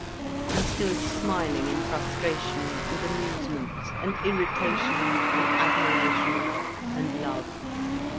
He stood smiling in frustration and amusement and irritation and admiration and love.